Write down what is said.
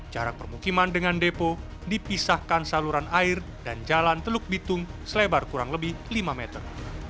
jarak permukiman dengan depo dipisahkan saluran air dan jalan teluk bitung selebar kurang lebih lima meter